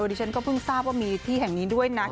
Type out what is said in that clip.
ดิฉันก็เพิ่งทราบว่ามีที่แห่งนี้ด้วยนะ